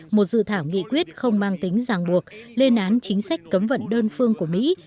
một dự thảo nghị quyết không mang tính giảng buộc lên án chính sách cấm vận đơn phương của mỹ